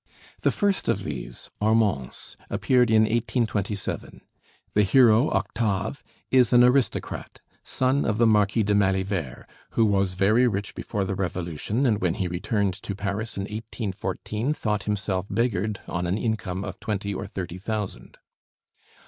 The first of these, 'Armance,' appeared in 1827. The hero, Octave, is an aristocrat, son of the Marquis de Malivert, who "was very rich before the Revolution, and when he returned to Paris in 1814, thought himself beggared on an income of twenty or thirty thousand."